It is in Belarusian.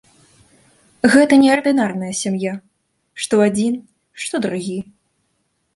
Гэта неардынарная сям'я, што адзін, што другі.